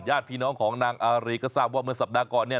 ญาติพี่น้องของนางอารีก็ทราบว่าเมื่อสัปดาห์ก่อนเนี่ย